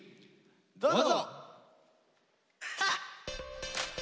どうぞ！